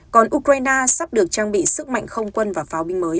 còn ukraine sắp được trang bị sức mạnh không quân và pháo binh mới